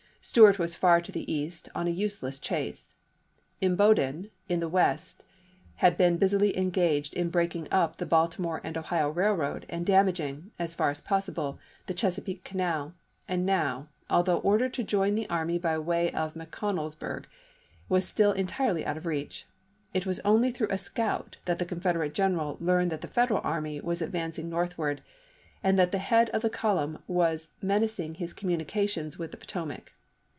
Stuart was far to the east on a useless chase. Imboden in the west had been busily engaged in breaking up the Balti more and Ohio Railroad and damaging, as far as possible, the Chesapeake Canal, and now, although ordered to join the army by way of McConnells burg, was still entirely out of reach. It was only through a scout that the Confederate General learned that the Federal army was advancing north ward, and that the head of the column was mena cing his communications with the Potomac.